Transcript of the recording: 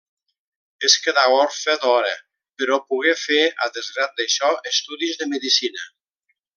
Es quedà orfe d'hora, però pogué fer a desgrat d'això estudis de medicina.